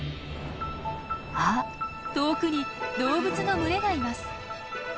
あっ遠くに動物の群れがいます。